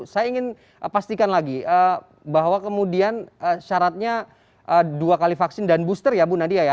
saya ingin pastikan lagi bahwa kemudian syaratnya dua kali vaksin dan booster ya bu nadia ya